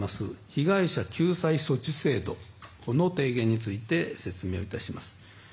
被害者救済措置制度のこの提言について説明をいたします。